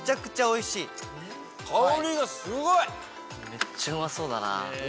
めっちゃうまそうだなぁ。